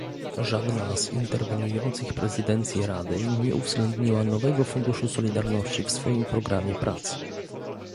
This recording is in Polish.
Żadna z interweniujących prezydencji Rady nie uwzględniła nowego Funduszu Solidarności w swoim programie prac